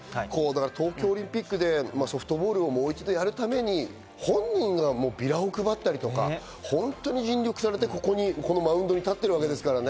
東京オリンピックでソフトボールをもう一度やるために本人がビラを配ったりとか尽力されてこのマウンドに立っているわけですからね。